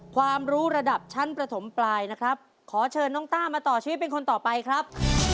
ความรู้ระดับชั้นประถมปลายนะครับขอเชิญน้องต้ามาต่อชีวิตเป็นคนต่อไปครับ